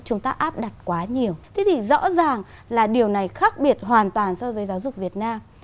chúng ta áp đặt quá nhiều thế thì rõ ràng là điều này khác biệt hoàn toàn so với giáo dục việt nam